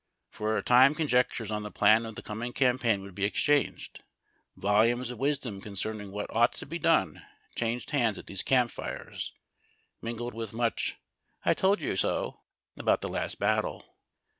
For a time conjectures on the plan of the coming compaign would be exchanged. Volumes of wisdom concerning what ought to be done changed hands at these camp fires, mingled with much "I told you so " about the last battle.